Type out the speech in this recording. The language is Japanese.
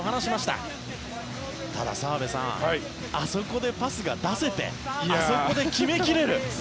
ただ、澤部さんあそこでパスが出せてあそこで決め切れる。